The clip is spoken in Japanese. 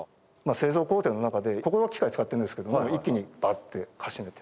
製造工程の中でここは機械使っているんですけども一気にバッてかしめて。